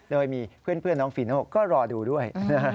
โดยมีเพื่อนน้องฟีโน่ก็รอดูด้วย